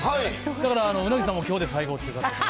だから鰻さんもきょうで最後ということで。